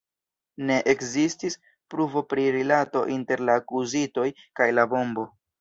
Ne ekzistis pruvo pri rilato inter la akuzitoj kaj la bombo.